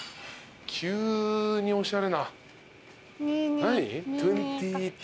急におしゃれな。何？